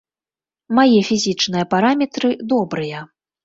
Мае фізічныя параметры добрыя.